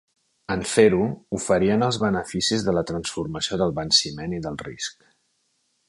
En fer-ho, oferien els beneficis de la transformació del venciment i del risc.